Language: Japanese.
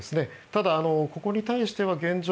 ただ、ここに対しては現状